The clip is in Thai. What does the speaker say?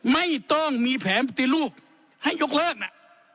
ไม่ต้องมีแผนปฏิรูปให้ยกเลิกน่ะ